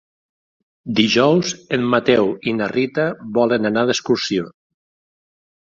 Dijous en Mateu i na Rita volen anar d'excursió.